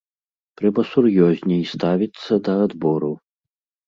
Трэба сур'ёзней ставіцца да адбору.